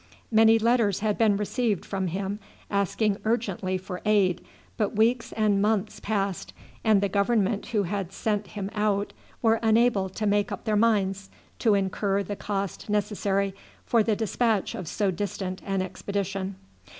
Many letters had been received from him asking urgently for aid, but weeks and months passed, and the government who had sent him out were unable to make up their minds to incur the cost necessary for the despatch of so distant an expedition.